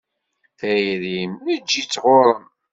Tayri-m? Eǧǧ-itt ɣur-m.